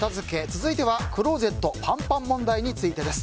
続いてはクローゼットパンパン問題についてです。